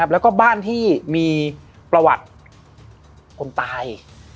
แล้วก็บ้านที่มีประวัติคนตาย